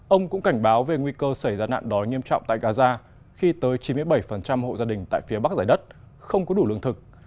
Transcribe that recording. ông cũng cảnh báo về nguy cơ xảy ra nạn đói nghiêm trọng tại gaza khi tới chín mươi bảy hộ gia đình tại phía bắc giải đất không có đủ lương thực